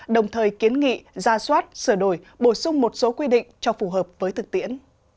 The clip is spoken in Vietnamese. đồng thời kiến nghị ra soát sửa đổi bổ sung một số quy định cho phù hợp với thực tiễn